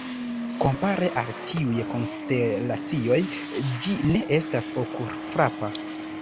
Kompare al tiuj konstelacioj ĝi ne estas okulfrapa.